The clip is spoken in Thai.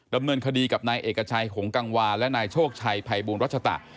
ดำเนินคดีกับนายเอกชัยหงกังวาและนายโชคชัยภัยบูลรัชตะ